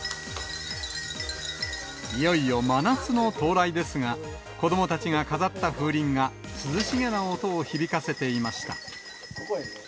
いよいよ真夏の到来ですが、子どもたちが飾った風鈴が、涼しげな音を響かせていました。